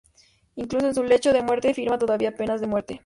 Incluso en su lecho de muerte firma todavía penas de muerte.